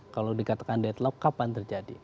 kalau dikatakan deadlock kapan terjadi